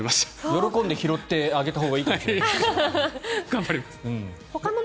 喜んで拾ってあげたほうがいいかも。